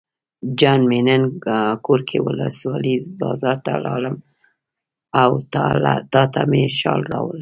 جان مې نن ګورکي ولسوالۍ بازار ته لاړم او تاته مې شال راوړل.